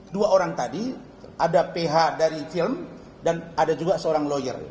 dua orang tadi ada ph dari film dan ada juga seorang lawyer